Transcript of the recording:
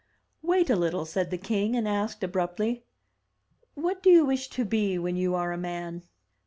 "Wait a little,'* said the king, and asked, abruptly, "What do you wish to be when you are a man?'